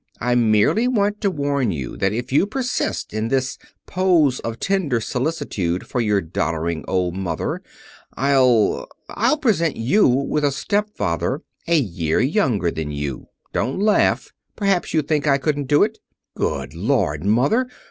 I merely want to warn you that if you persist in this pose of tender solicitude for your doddering old mother, I'll I'll present you with a stepfather a year younger than you. Don't laugh. Perhaps you think I couldn't do it." "Good Lord, Mother!